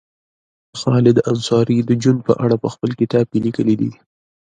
خالد انصاري د جون په اړه په خپل کتاب کې لیکلي دي